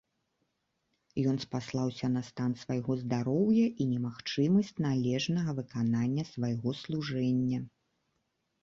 Ён спаслаўся на стан свайго здароўя і немагчымасць належнага выканання свайго служэння.